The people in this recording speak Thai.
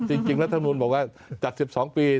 จริงรัฐมนุนบอกว่าจาก๑๒ปี